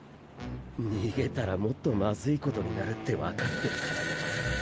逃げたらもっとまずいことになるってわかってるからな。